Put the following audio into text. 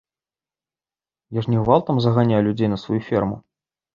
Я ж не гвалтам заганяю людзей на сваю ферму.